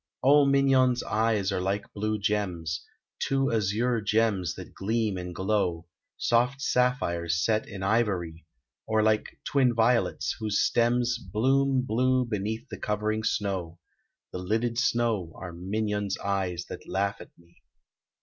Oh, Mignon's eyes are like blue gems, Two azure gems, that gleam and glow, Soft sapphires set in ivory: Or like twin violets, whose stems Bloom blue beneath the covering snow, The lidded snow, Are Mignon's eyes that laugh at me.